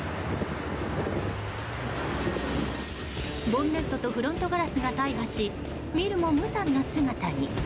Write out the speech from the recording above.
ボンネットとフロントガラスが大破し見るも無残な姿に。